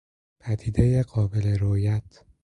پدیدهی قابل رویت